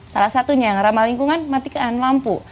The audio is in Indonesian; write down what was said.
salah satunya yang ramah lingkungan matikan lampu